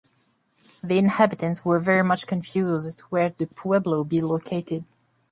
The inhabitants were very much confused as to where the pueblo be located.